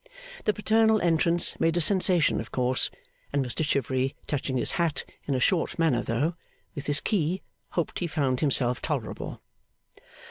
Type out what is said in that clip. The paternal entrance made a sensation of course; and Mr Chivery, touching his hat (in a short manner though) with his key, hoped he found himself tolerable.